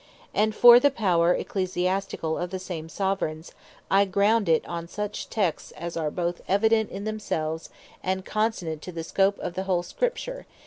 And for the Power Ecclesiasticall of the same Soveraigns, I ground it on such Texts, as are both evident in themselves, and consonant to the Scope of the whole Scripture.